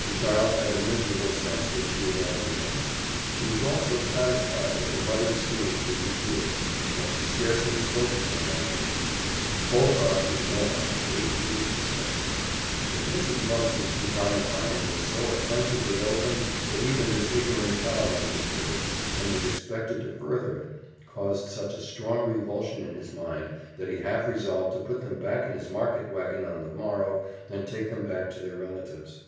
The child had a miserable sense that she had angered him; she was also satisfied that her mother's schemes would be futile, and she scarcely spoke again that day. Holcroft was more than angry; he was disgusted. That Mrs. Mumpson's design upon him was so offensively open that even this ignorant child understood it, and was expected to further it, caused such a strong revulsion in his mind that he half resolved to put them both in his market wagon on the morrow and take them back to their relatives.